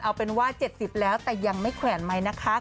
เอาเป็นว่า๗๐แล้วแต่ยังไม่แขวนไหมนะคะ